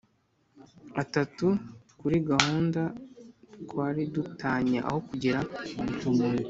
Atatu kuri gahunda twari dutanye aho kugira